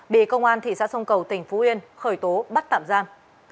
bị công an thị xã sông cầu tỉnh phú yên khởi tố bắt tạm giam